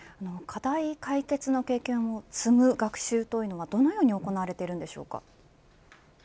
課題解決の経験を積む学習というのはどのように行われているのでしょうか。